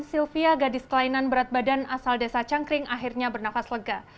sylvia gadis kelainan berat badan asal desa cangkring akhirnya bernafas lega